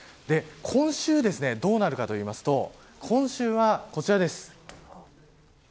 今週、どうなるかといいますと今週はこちらです。